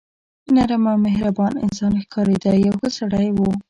نرم او مهربان انسان ښکارېده، یو ښه سړی و.